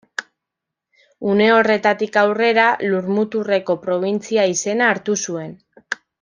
Une horretatik aurrera Lurmuturreko probintzia izena hartu zuen.